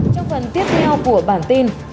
trong phần tiếp theo của bản tin